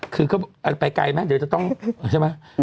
คือก็ไปไกลไหมเดี๋ยวจะต้องใช่ไหม